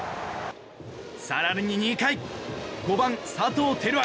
更に２回、５番、佐藤輝明。